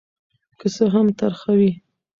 که څه هم ترخه وي.